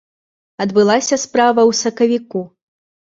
Адбылася справа ў сакавіку.